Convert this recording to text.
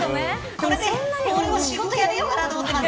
これで、俺も仕事辞めようかと思ってます。